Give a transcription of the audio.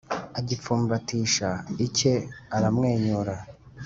agipfumbatisha icye aramwenyura